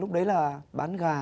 lúc đấy là bán gà